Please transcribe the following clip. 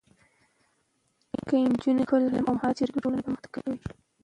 که نجونې خپل علم او مهارت شریک کړي، ټولنه پرمختګ کوي.